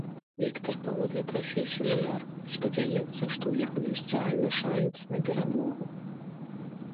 Віктар паводле прафесіі муляр і спадзяецца, што ў яго ёсць рэальны шанец на перамогу.